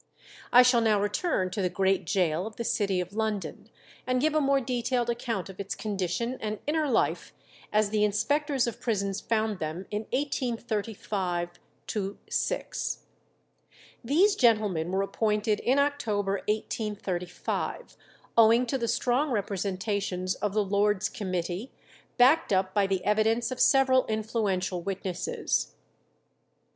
I shall now return to the great gaol of the city of London, and give a more detailed account of its condition and inner life as the inspectors of prisons found them in 1835 6. These gentlemen were appointed in October 1835, owing to the strong representations of the Lords' Committee, backed up by the evidence of several influential witnesses.